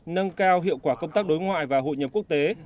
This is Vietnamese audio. nâng cao hiệu quả công tác đối ngoại và hội nhập quốc tế